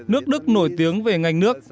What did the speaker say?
nước đức nổi tiếng về ngành nước